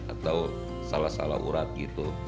atau salah salah urat gitu